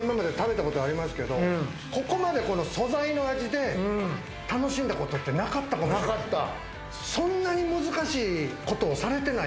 野菜って当然食べたことありますけど、ここまで素材の味で楽しんだことってなかったかもしれない。